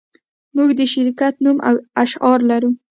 موږ د شرکت نوم او شعار لرو